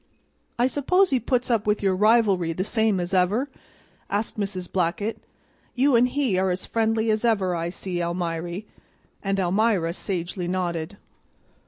"I suppose he puts up with your rivalry the same as ever?" asked Mrs. Blackett. "You and he are as friendly as ever, I see, Almiry," and Almira sagely nodded.